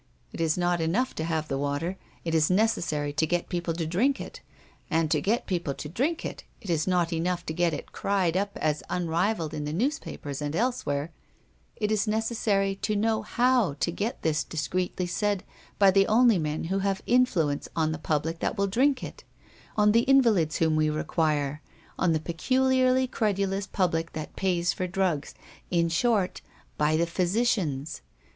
It is not enough to have the water, it is necessary to get people to drink it; and to get people to drink it, it is not enough to get it cried up as unrivaled in the newspapers and elsewhere; it is necessary to know how to get this discreetly said by the only men who have influence on the public that will drink it, on the invalids whom we require, on the peculiarly credulous public that pays for drugs in short, by the physicians.